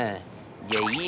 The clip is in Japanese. じゃあいいよ』。